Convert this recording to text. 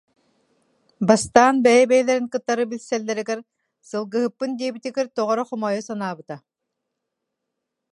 Бастаан бэйэ-бэйэлэрин кытары билсэл- лэригэр сылгыһыппын диэбитигэр тоҕо эрэ хомойо санаабыта